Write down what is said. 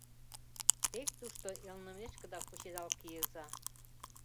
Тек тушто элнымешкыда кучедал кийыза!